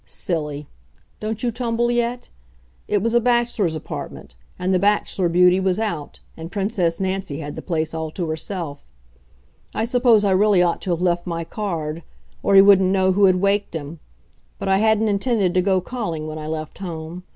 Silly! Don't you tumble yet? It was a bachelor's apartment, and the Bachelor Beauty was out, and Princess Nancy had the place all to herself. I suppose I really ought to have left my card or he wouldn't know who had waked him but I hadn't intended to go calling when I left home.